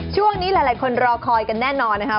ช่วงนี้หลายคนรอคอยกันแน่นอนนะคะ